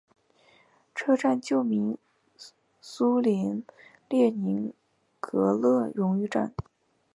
车站旧名苏联列宁格勒荣誉站。